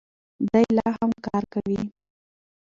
دی لا هم کار کوي.